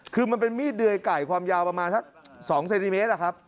คือมันเป็นมีดเดยไก่ความยาวประมาณสัก๒เซนติเมตรอะครับ